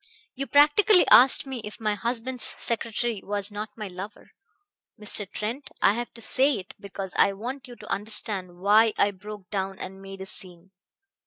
You practically asked me if my husband's secretary was not my lover, Mr. Trent I have to say it, because I want you to understand why I broke down and made a scene.